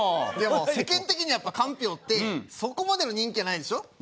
でも世間的にはやっぱかんぴょうってそこまでの人気はないでしょ？